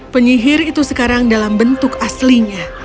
penyihir itu sekarang dalam bentuk aslinya